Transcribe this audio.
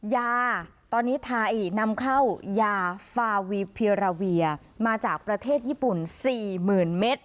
ยาตอนนี้ไทยนำเข้ายาฟาวีเพียราเวียมาจากประเทศญี่ปุ่น๔๐๐๐เมตร